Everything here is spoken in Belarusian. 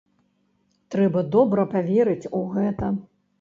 Трэба добра паверыць у гэта.